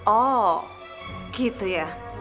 oh gitu ya